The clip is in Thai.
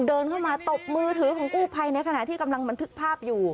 เดินเข้ามาตบมือถือของกู้ภัยในขณะที่กำลังบันทึกภาพอยู่